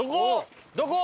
どこ？